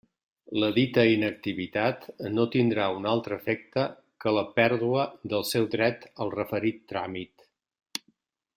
La dita inactivitat no tindrà un altre efecte que la pèrdua del seu dret al referit tràmit.